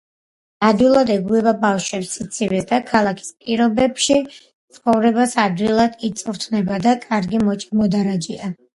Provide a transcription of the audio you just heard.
ადვილად ეგუება ბავშვებს, სიცივეს და ქალაქის პირობებში ცხოვრებას, ადვილად იწვრთნება და კარგი მოდარაჯეა.